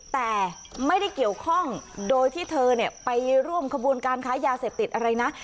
แต่ไม่ได้เกี่ยวข้องโดยที่เธอไปร่วมขบวนการค้ายาเสพติดอะไรนะ